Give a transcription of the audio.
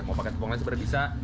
mau pakai tepung lain seberapa bisa